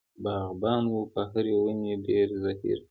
باغبان و په هرې ونې ډېر زهیر.